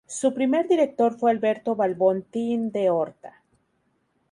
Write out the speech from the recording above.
Su primer director fue Alberto Balbontín de Orta.